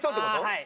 はい。